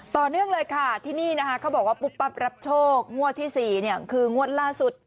ต่อเนื่องเลยค่ะที่นี่นะคะเขาบอกว่าปุ๊บปั๊บรับโชคงวดที่๔คืองวดล่าสุด